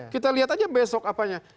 kita lihat aja besok apanya